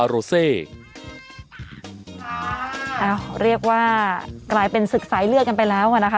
เรียกว่ากลายเป็นศึกสายเลือดกันไปแล้วอ่ะนะคะ